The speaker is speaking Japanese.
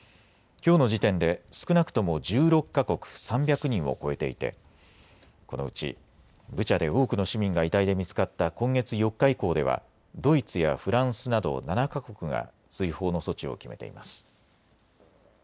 きょうの時点で少なくとも１６か国、３００人を超えていてこのうち、ブチャで多くの市民が遺体で見つかった今月４日以降ではドイツやフランスなど７か国が追放の措置を決めています。